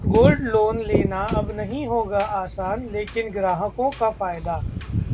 gold loan लेना अब नहीं होगा आसान लेकिन ग्राहकों का फायदा